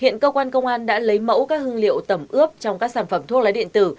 hiện cơ quan công an đã lấy mẫu các hương liệu tẩm ướp trong các sản phẩm thuốc lá điện tử